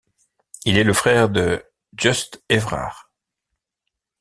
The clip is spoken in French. Il est le frère de Just Évrard.